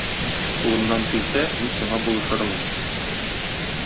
Кулымнан килсә, мин сиңа булышырмын.